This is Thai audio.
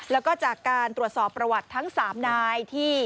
แล้วก็จากการตรวจสอบประวัติทั้ง๓นายที่